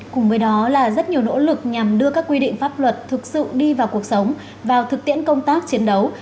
cùng với đó là rất nhiều nỗ lực nhằm đưa các quy định pháp luật thực sự đi vào cuộc sống vào thực tiễn công tác chiến đấu